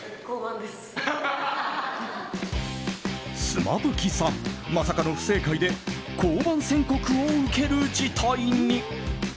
妻夫木さん、まさかの不正解で降板宣告を受ける事態に。